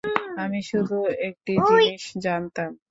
আমি শুধু একটি জিনিস জানতাম।